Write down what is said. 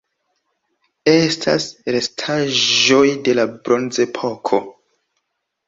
Estas restaĵoj de la Bronzepoko.